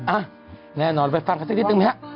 อ่ะแน่นอนไปฟังกันสักนิดนึงไหมฮะ